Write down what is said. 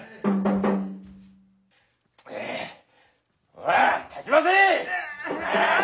ほら立ちませい！